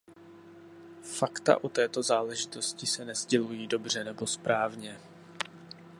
Fakta o této záležitosti se nesdělují dobře nebo správně.